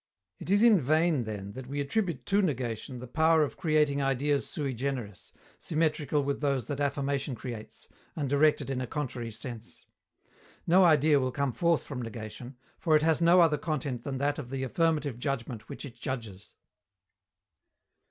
It is in vain, then, that we attribute to negation the power of creating ideas sui generis, symmetrical with those that affirmation creates, and directed in a contrary sense. No idea will come forth from negation, for it has no other content than that of the affirmative judgment which it judges.